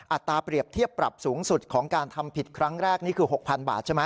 ตราเปรียบเทียบปรับสูงสุดของการทำผิดครั้งแรกนี่คือ๖๐๐๐บาทใช่ไหม